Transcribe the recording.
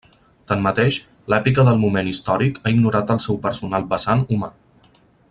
Tanmateix, l'èpica del moment històric ha ignorat el seu personal vessant humà.